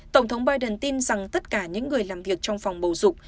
tổng thống biden tin rằng tất cả những người làm việc trong phòng bầu dục